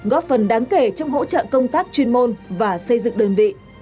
góp phần đáng kể trong hỗ trợ công tác chuyên môn và xây dựng đơn vị